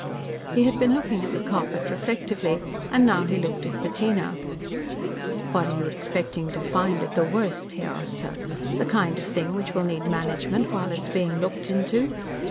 He had been looking at the carpet reflectively, and now he looked at Bettina. "What are you expecting to find, at the worst?" he asked her. "The kind of thing which will need management while it is being looked into?"